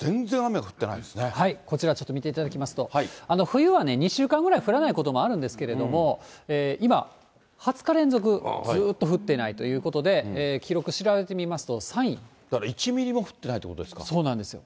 こちら、ちょっと見ていただきますと、冬は２週間ぐらい降らないこともあるんですけれども、今、２０日連続ずっと降っていないということで、記録調べてみますとだから１ミリも降ってないっそうなんですよ。